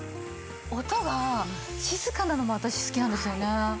音が静かなのも私好きなんですよね。